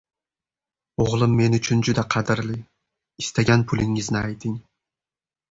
Oʻgʻlim men uchun juda qadrli. Istagan pulingizni ayting.